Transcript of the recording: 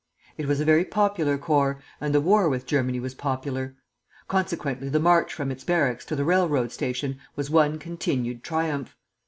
It was a very popular corps, and the war with Germany was popular; consequently the march from its barracks to the railroad station was one continued triumph.